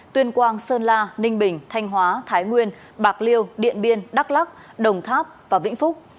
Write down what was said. tuyên quang sơn la ninh bình thanh hóa thái nguyên bạc liêu điện biên đắk lắc đồng tháp và vĩnh phúc